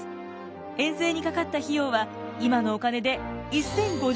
遠征にかかった費用は今のお金で１，０５０万円ほど。